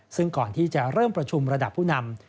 ซึ่งก่อนที่จะเริ่มประชุมระดับผู้นำ